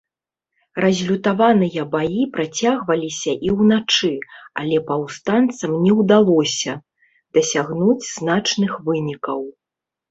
Разлютаваныя баі працягваліся і ўначы, але паўстанцам не ўдалося дасягнуць значных вынікаў.